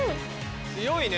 強いね。